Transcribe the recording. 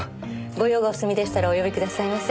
ご用がお済みでしたらお呼びくださいませ。